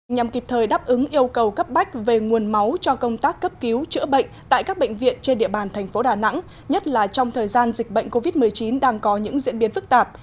nhằm kịp thời đáp ứng yêu cầu cấp bách về nguồn máu cho công tác cấp cứu chữa bệnh tại các bệnh viện trên địa bàn thành phố đà nẵng nhất là trong thời gian dịch bệnh covid một mươi chín đang có những diễn biến phức tạp